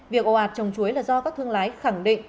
việc ồ ạt trồng chuối là do các thương lái khẳng định